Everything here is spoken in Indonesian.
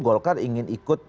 golkar ingin ikut